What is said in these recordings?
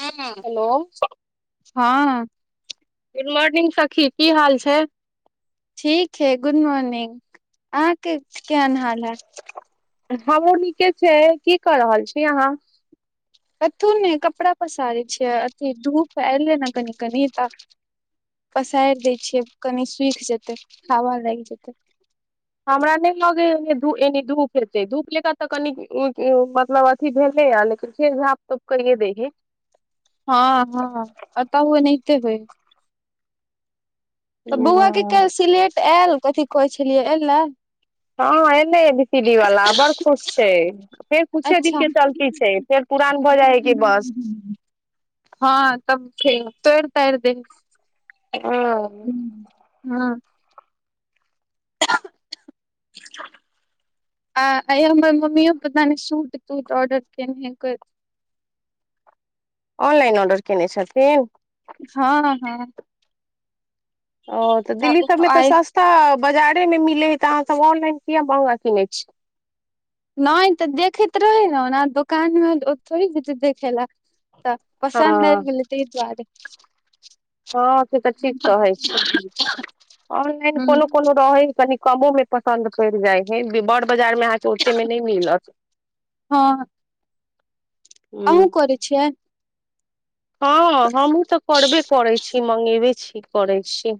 हॅं, हेलो! हँ good morning सखी! की हाल छै? ठीक है, गुड मॉर्निंग अहाँके केहेन हाल हेय? हमहूँ नीके छै, की कऽ रहल छी अहाँ? कथू ने कपड़ा पसारै छियै, अथी धूप अयलै ने कनी-कनी तऽ पसारि देय छियै कनी सुखि जेतै, हवा लागि जेतै हमरा नहि लगैय एनी धूप हेतै, धूप ले क तऽ कनि मतलब अ भेलै या लेकिन फेर झाँप तोप कइये दैहैय। हँ, हँ अतहु एनाहिते होइहए तऽ बौआके काल्हि सिलेट आयल? कथी कहै छलियै अएलै? हँ अएलै, एबीसीडी वला, बड़ खुश छै, कुछे अच्छा दिनके चलती छै, फेर पुरान भऽ जाइ है कि बस हँ तब, तोड़-तारि दै हँ, हँ [unintelligible] [unintelligible] आ आइ हमर मम्मियो पता ने शूट-तूट ऑर्डर केने हेय आनलाइन ऑर्डर केने छथिन? हँ हँ ओ तऽ दिल्ली सभमे तऽ आइ सस्ता बाजारेमे मिलै हइ तऽ अहाँ सभ ऑनलाइन किया महंगा कीने छियै? नहि तऽ देखैत रहै ने ओना दोकानमे थोड़े जेते देखे लाए तऽ हँ पसन्द आइ गेल तइ दुआरे हँ से तऽ ठीक कहै छी, ऑनलाइन ह कोनो-कोनो रहै हइ कनी कमोमे पसंन्द पड़ि जाय हय बड़ बाजारमे अहाँके ओतेमे नहि मिलत हँ अहँ ह करै छियै? हँ हमहूँ तऽ करबे करै छी, मंगेबे छी करै छी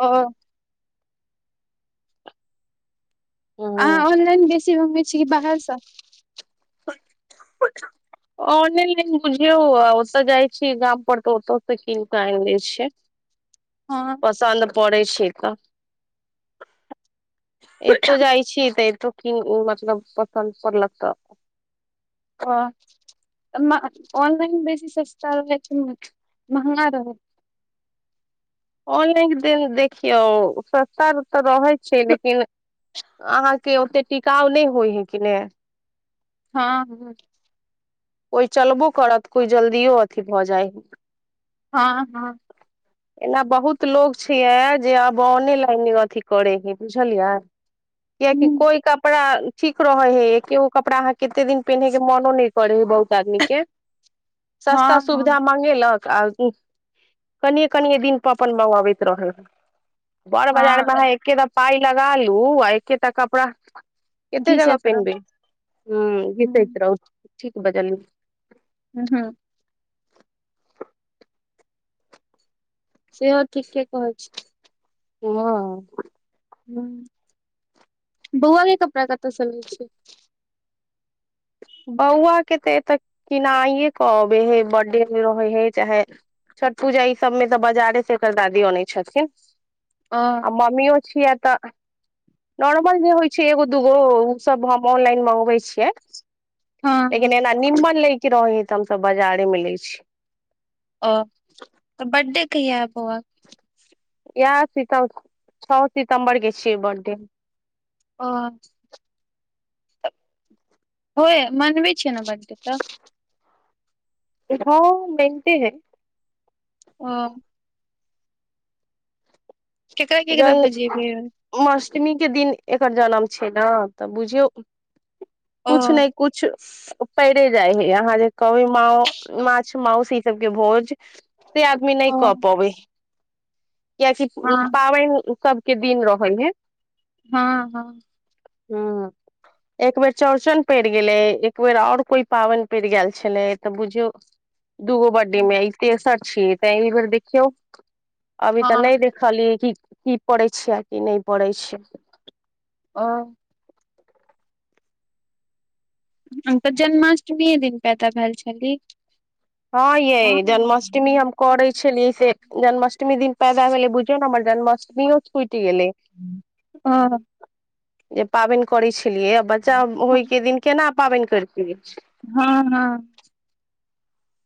हॅं अहाँ ह ऑनलाइन बेसी अनै छी की बाहरसँ? ऑनेलाइन बुझियौ, ओतऽ जाइ छियै गाम पर तऽ ओतय से कीन कऽ आनि लै छियै हँ पसन्द पड़ै छै तऽ, एतौ जाइ छियै तऽ एतौ मतलब पसन्द पड़लक तऽ ओऽ ऑनलाइन बेसी सस्ता रहै कि महंगा रहै? ऑनलाइन देखियौ सस्ता तऽ रहै छै लेकिन अहाँके ओते टिकाउ नहि होइ हय कि ने! हँ ह कोइ चलबो करत कोइ जल्दियो अथी भऽ जाइ हइ हँ, हँ एना बहुत लोग छिये जे आब ऑनेलाइन अथी करे हेय बुझलियै किएकि हूँ कोइ कपड़ा ठीक रहे हय, एकगो कपड़ा अहाँ कते दिन पहिन के मनो नहि करे हेय। [unintelligible] आदमी के हँ सस्ता हँ सुविधा म मगेलक आ कनिये कनिेये दिन पर अपन मंगाबैत रहल बड़ बाजार मे हँ अहाँ एकेटा पााय लगा लू आ एकेटा कपड़ा कतेक घी से जगा ह पेन्बे हू घीसेत रहू ठीक बजलय हू हू सेहो ठीके कहै छिए हँ ह बउआ लेल कपड़ा कतय छ आबे छै बौआ के तऽ एतऽ किनाइए कहऽ अबे हे बर्थडे मऽ रहे हे चाहे छठ पूजा ई सब मे तऽ बजारे से एकर दादी आनै छथिन आ आ मम्मीो छियै तऽ नॉर्मल जे होइ छै एगो दूगो ओ सब हम ऑनलाइन मंगबै छियै हँ लेकिन हँ एना निममन ले के रहे है तऽ हमस बाजारे मे ले छी ओ तऽ बर्थडे कहिए अय बऊआ क यएह सितम छओ सितम्बर के छियै बर्थडे ओ होय मनबै छिय ने बडे तऽ हँ मेनते है ओ केकरा केकरा जन बजेबै जन्मा अष्टमी के दिन एकर जनम छै ने तऽ बुझियौ ओ किछ नहि किछु पड़े जाइ हय अहाँ जे की म माछ मउस ई सबके भोज से आदमी नहि ओ कह पाबै हँ कियकि पाबनि सभके दिन रहै हे हँ हँ हँ एक बेेर चौरचन पड़ि गेलै एक बेर आओर कोई पाबनि पड़ि गेल छलै तऽ बुझियौ दूगो ब्डीमे ई तेसर छियै त एहि बेर देखियौ अभी तऽ हँ नहि देख खाली क की पढ़ै छियै आ कि नहि पढ़ै छियै ओ हम तऽ जन्माष्टमीए दिन पैदा भेल छली हँ एय जन्माष्मी हम करे छलियै से जन्माष्टमी दिन पैदा भेले बुझियौ नऽ हमर जन्माष्टमीो छुटि गेले ओ जे पाबनि करै छलियै आ बच्चा होइके दिन केना पाबनि करतिए हँ हँ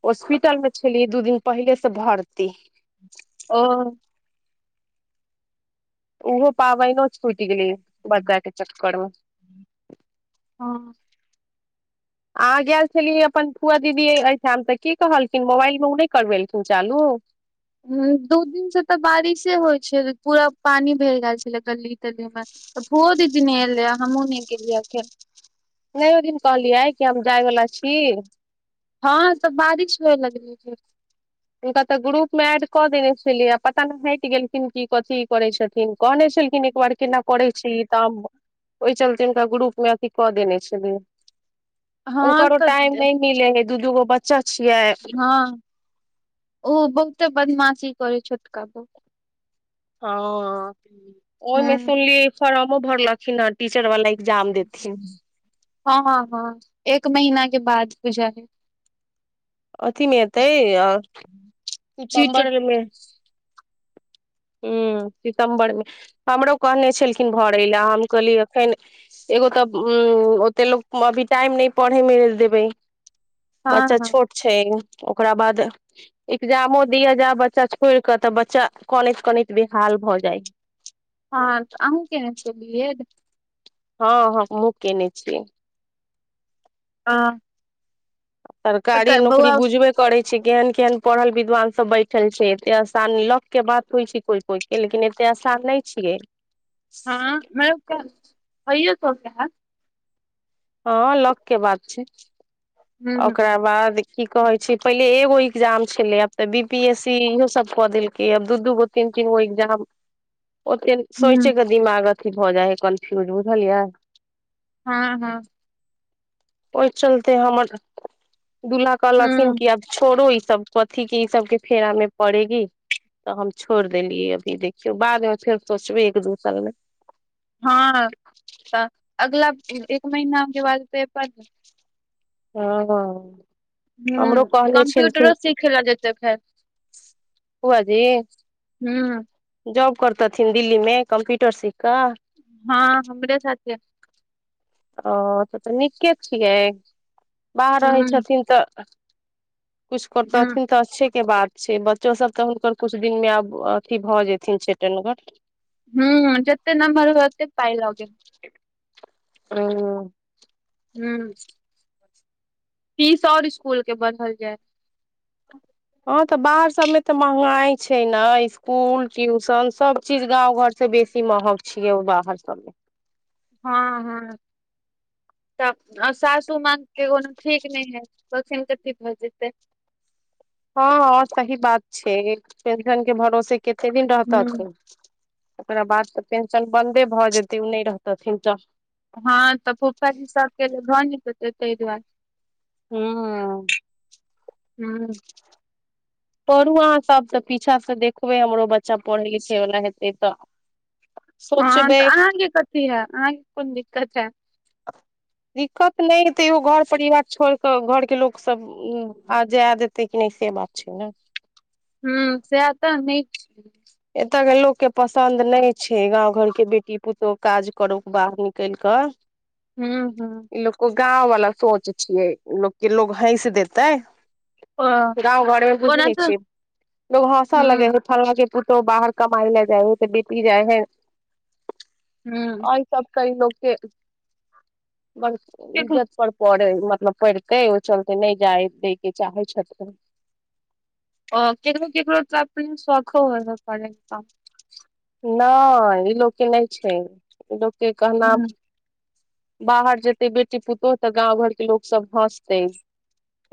हॉस्पिटल मे छलियै दू दिन पहिले से भर्ती ओ ओहो पाबनो छूटि गेलै बच्चा कऽ चक्कर मे हँ अहाँ गेल छलियै अपन पुआ दीदी एहिठाम तऽ की कहलखिन मोबाइल मे ओ नहि करबेलखिन चालू ह दू दिन से तऽ बारिशे होइ छल पूरा पानी भरि गेल छले गली तली मऽ त फोओदीदी नइ एलय हमहू ने गेलिय अखैन नहि ओ दिन कहलियै कि हम जाइवला छी हँ सब बारिश होए लगलै फेरसॅं हुनका तऽ ग्रुपमे एड कऽ देने छलियै आ पता ने हटि गेलखिन कि कथी करैत छथिन कहने छलखिन उआर केना करै छी तब ओइ चलते हुनका ग्रुप मे अथी कऽ देने छलियै हँ ऊकरो टाइम तऽ नहि मिलै है दू दूगो बच्चा छियै हँ ओ बहुते बदमाशी करै छोटका बहुत हँ हूँ ओमिसली फारमो भरलखिन आ टीचर वाला एग्जाम देथिन हँ हँ हँ एक महीना के बाद पूजा है अथी मे एतै आ चीटर सीचमबरमे [unintelligible] हूं सितम्बरमे हमरो कहने छलखिन भरय लए हम कहलिय एखन एगो तऽ उ ओते लोग अभी टाइम न पढ़े मे देबे हँ बच्चा हँ छोट छै एगो ओकरा बाद एग्जामो दिय जा बच्चा छोड़ क त बच्चा कानत कानत बिहाल भ जाइ हँ अहूं खेने छियै बी एड ह हमहु केने छियै हँ सरकारी तऽ नौकरी बौआ बुझबै करै छै केहन केहन पढ़ल विद्वान सब बैठल छै एते आसान लक के बात होइ छै कोइ कोइ ई लेकिन एते आसान नहि छियै हँ कहहिए त क [unintelligible] हँ लक के बात छै हूँ ओकरा बाद की कहै छी पहिले एगो एग्जाम छलै आब तऽ बी पी एस सी इहो सब कऽ देलकै आब दू दूगो तीन तीनगो एक्जाम [inaudible] ओते सोचै हूँ क दिमाग अथी भऽ जाइ है कन्फ्यूज बुझलियै हँ हँ ओहि चलते हमर दुल्हा कहलखिन हूँ कि आब छोड़ो ई सब कथी के ई सबके फेरा मे पड़ेगी तऽ हम छोड़ देलियै अभी देखियौ बादमे फेर सोचबै एक दू साल मे हँ त अगला एक महीना‌ के बाद पेपर ह हूं कम्प्यूटरो सिखै ला जेतै एखन बुआ जी हूँ जॉब करतथिन दिल्ली मे कम्प्यूटर सीख कऽ हँ हमरे [unintelligible] ओ तऽ तऽ नीके छियै बाहर हूँ रहैत छथिन तऽ कुछ हूँ करतऽथीन तऽ अच्छे के बात छै बच्चो सब तऽ हुनकर कुछ दिन मे आब अथी भऽ जेथिन छेटनगर हूं जेते नमहर हो ओते पाइ लगै ओ हू फीस और इसकूल के बढ़ल जाय हँं त बाहर सब मे त महँगाई छै ने स्कूल ट्यूशन सब चीज गाँंव घर से बेसी महग छियै ओ बाहर सबमे हँ हँ तब सासू मग के कोनो ठीक नहि हय पसन क ठीक भऽ जेतै हँ हँ सही बात छै पेंशन के भरोसे कते दिन रहत हूँ थीन ओकरा बाद त टेंशन बन्दे भ जेतै नहि रहतथिन त हँ तऽ फुफा जी सबके भऽ नहितै ताहि दुआरे हूँ हँ पढ़ू अहाँ सबसँ पीछा से देखबै हमरो बच्चा पढ़ै लिखै वल्ला हेतै तऽ हँ त सोचबै अहाँके कथी है अहाँके कोन दिक्कत है दिक्कत ने य तैयो घर परिवार छोड़ के घरके लोक सब उ आ जे देतै क नहि से बात छै ने ह सेह तऽ नहि एतय के लोक के पसंन्द नहि छै गाँंव घर के बेटी पुतो काज करे बाहर निकलि कऽ हँ हँ ई लोक को गाँंव वालला सोच छियै लोक के लोग हैस देते ओ गाँंव घर मे बुझी ओना नहि तऽ छी लोग हँसा हूँ लगे ह फल ओ तो बाहर कमाइ लए जाए है त ऽ बेटी‌ जाए है हूँ और सब कई लोक‌ के ब केकरो इज्जत पड़ पढ़े मतलब पढ़ते ओ चलते नहि जाय दै के चाहे छथि अ केकरो‌ केकरो त अपने शोखो हो प नय ई लोकके ने छै ई लोकके कहना हँ बाहर जेते बेटी पुतोह तऽ गाँंव घर के लोक सब हसते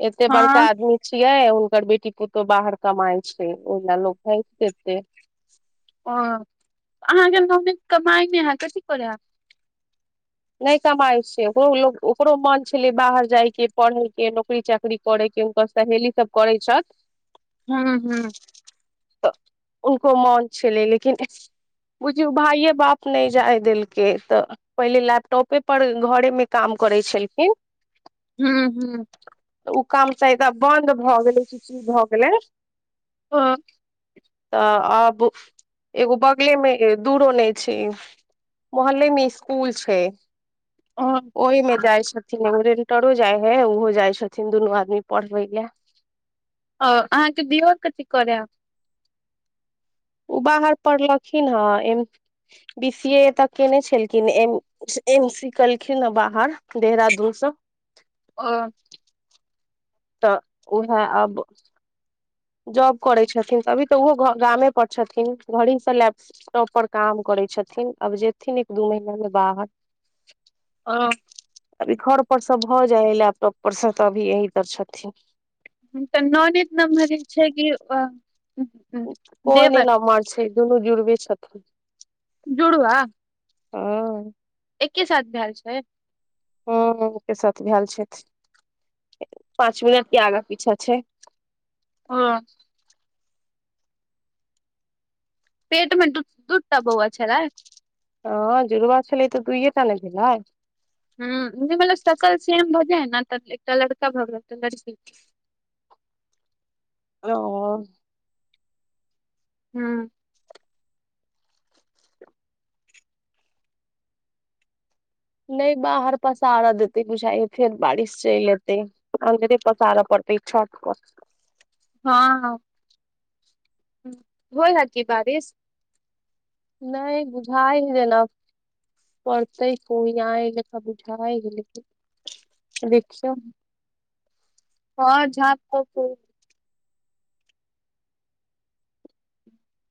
एते बड़का हँ आदमी छियै हुनकर बेटी पुतहु बाहर कमाइ छै ओहि ल लोक हैस देतै ओ अहाँके नोनैद कमाई नहि हयत कथी करैब नहि कमाइ छै ओकरो ओकरो मन छलै बाहर जाय के पढ़े के नौकरी चाकरी नौकरी करे के हुनकर सहेली सब करै छथि हँ हँ उनको मोन छेलै लेकिन बुझयो भाइे बाप नहि जाय देलकै त पहिले लै टॉपे पर घरे मे काम करे छलखिन हू हू त उ काम चाही तऽ बंन्द भऽ गेलै कि ची भऽ गेलै ह तऽ आब एगो बगले मे दूरो नहि छै मोहल्ले मे स्कूल छै ओ ओहि में जाइ छथिन एगो रेंटरो जाइ है ओहो जाइ छथिन दुनू आदमी पढ़बै लए अहाँके दियर कथी करै हे ओ बाहर पढ़लखिन हेँ M B C A A तऽ केने छलखिन एम एम सी केलखिन ह बाहर देहरादून से ओ त उहै अब जॉब करै छथिन अभी त ओहो गामे पर छथिन घड़ीसँ ला क परोपर काम करै छथिन अब जेथिन एक दू महीना मे बाहर ओ [inaudible] अभी घर पर से भ जाय हय लैपटॉप पर से त अभी यही पर छथिन ह त ननैद लग म छै कि कोय नहि देवर लमहर छै दुनू जुड़बे छथिन जुड़ुआ आ एके साथ भेएल छै ह एके साथ भेल छथिन पाँच मिनट के आगा पीछा छै हँ पेट मे दू दू टा बौआ छलै हँ जुड़ुबा छलै तऽ दुइए टा नेे भेलै ह मल सकल सेम भजे है ने त एकटा लड़का भ गेल त लड़की ओ हू नहि बाहर पासार देतै बुझाय य फेर बारिश चलि एतै अन्दरे पसारे पड़तै [inaudible] हँ हँ होय हय बारीश की नहि बुझाय हय जेना पढ़तै ह कोइ आए ल बुझाएकिन देखियौ [inaudible] हँ झाँप तोप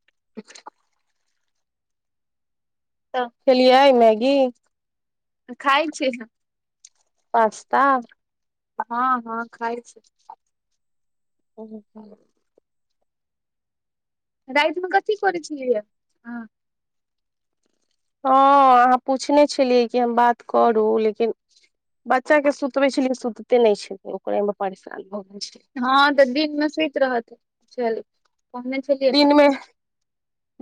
[unintelligible] तऽ खेलियै मैगी खाय छियै पास्ता हँ हँ खाय छै ओ रातिमे कथी करै छियै य हँ अहाँ पूछने छलियै कि हम बात करू लेकिन बच्चा के सुतबे छलिन सुतते नहि छै ओकरे मे परेशान भऽ गेल छलियै हँ तऽ दिन मे सुति रहतैलने दिनमे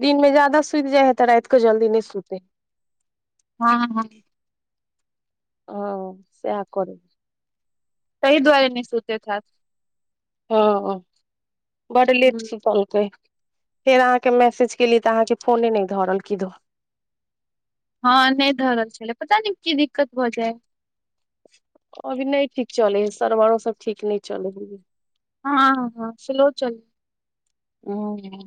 दिनमें जादा सुति जाय हय तऽ राति को जल्दी नहि सुते हँ हँ ह सेह करू तहि दुआरे नहि सुतेत हेत हँ बड लेट सुतलके फेर अहाँके मैसेज केली तऽ अहाँके फोने नहि धरल कि दो हँ नहि धरल छलै पता न की दिक्कत भऽ जाय अभी नहि ठीक चले है सरवारो सब ठीक नहि चले ह हँ हँ स लो चल ह